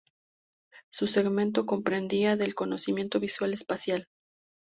Su segmento comprendía del conocimiento visual-espacial.